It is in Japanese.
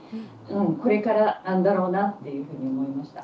これからだろうなというふうに思いました。